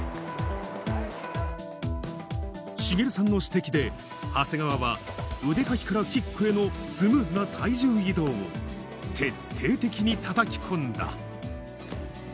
滋さんの指摘で、長谷川は腕かきからキックへのスムーズな体重移動を、徹底的にたたき込んだ。